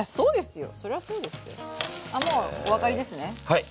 はい。